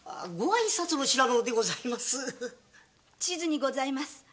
千津にございます。